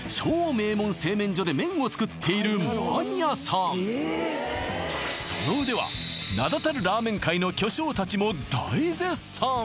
名門製麺所で麺を作っているマニアさんその腕は名だたるラーメン界の巨匠たちも大絶賛